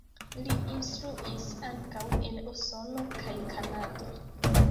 Li instruis ankaŭ en Usono kaj Kanado.